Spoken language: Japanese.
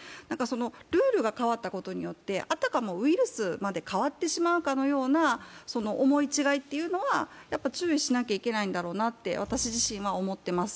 ルールが変わったことによってあたかもウイルスまで変わってしまうかのような思い違いというのは、注意しないといけないんだろうなと私自身は思っています。